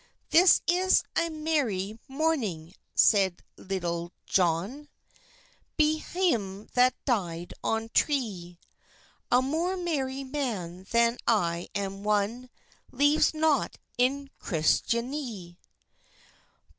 "This is a mery mornyng," seid Litulle Johne, "Be hym that dyed on tre; A more mery man than I am one Lyves not in Cristianté."